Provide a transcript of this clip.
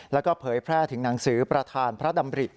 แล้วก็เผยแพร่ถึงหนังสือประธานพระดำริ